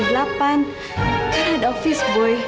karena ada ofis boy